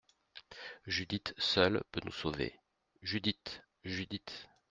Judith seule peut nous sauver, Judith, Judith !